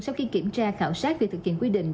sau khi kiểm tra khảo sát việc thực hiện quy định